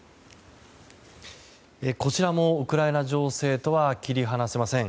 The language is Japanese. こちらもウクライナ情勢とは切り離せません。